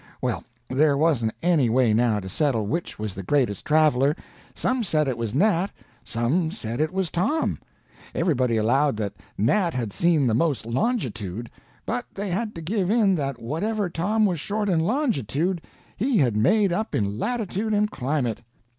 Well, there wasn't any way now to settle which was the greatest traveler; some said it was Nat, some said it was Tom. Everybody allowed that Nat had seen the most longitude, but they had to give in that whatever Tom was short in longitude he had made up in latitude and climate.